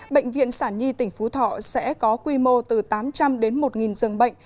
bệnh viện sản nhi tỉnh phú thọ sẽ có quy mô từ tám trăm linh đến một giường bệnh